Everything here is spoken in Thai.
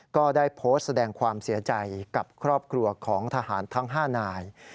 ก็ได้โพสต์แสดงความเสียใจกับครอบครัวของทหารทั้ง๕นาย